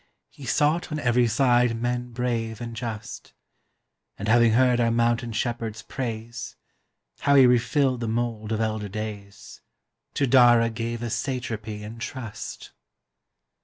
He sought on every side men brave and just; And having heard our mountain shepherd's praise, How he refilled the mould of elder days, To Dara gave a satrapy in trust.